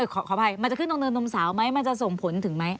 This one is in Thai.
ขออภัยมันจะขึ้นตรงเนินนมสาวไหมมันจะส่งผลถึงไหม